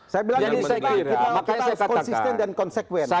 saya bilang ini secara konsisten dan konsekuen